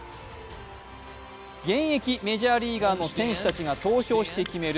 現役メジャーリーガーの選手たちが投票して決める